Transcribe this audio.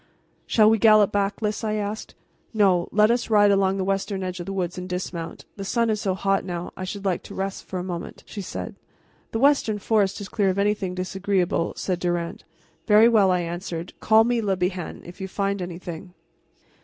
"Shall we gallop back, Lys?" I asked. "No; let us ride along the western edge of the woods and dismount. The sun is so hot now, and I should like to rest for a moment," she said. "The western forest is clear of anything disagreeable," said Durand. "Very well," I answered; "call me, Le Bihan, if you find anything."